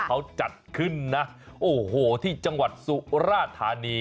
เขาจัดขึ้นนะโอ้โหที่จังหวัดสุราธานี